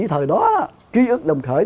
thời đó á ký ức đồng khởi